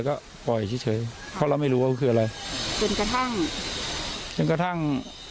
ก็เลยรู้ว่าเป็นเครื่องดักฟัง